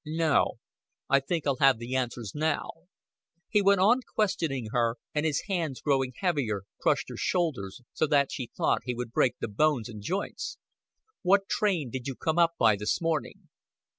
"No, I think I'll have the answers now." He went on questioning her, and his hands growing heavier crushed her shoulders so that she thought he would break the bones and joints. "What train did you come up by this morning?"